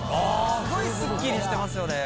すごいスッキリしてますよね。